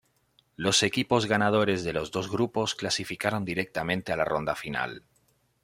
Los equipos ganadores de los dos grupos clasificaron directamente a la ronda final.